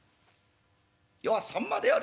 「余はさんまであるぞ」。